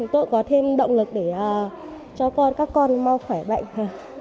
tôi có thêm động lực để cho các con mau khỏe bệnh